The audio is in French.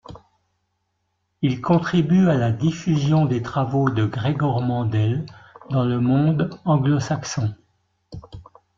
Il contribue à la diffusion des travaux de Gregor Mendel dans le monde anglo-saxon.